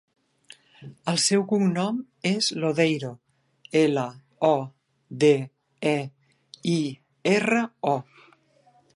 El seu cognom és Lodeiro: ela, o, de, e, i, erra, o.